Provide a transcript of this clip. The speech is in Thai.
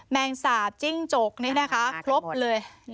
แมงสาบจิ้งจกครบเลย